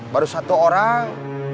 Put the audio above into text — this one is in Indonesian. baru satu orang